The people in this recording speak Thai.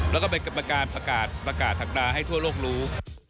แล้วก็ไปกับประกาศประกาศสักปราให้ทั่วโลกรู้